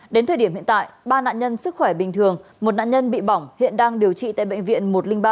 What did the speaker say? đến thời điểm hiện tại ba nạn nhân sức khỏe bình thường một nạn nhân bị bỏng hiện đang điều trị tại bệnh viện một trăm linh ba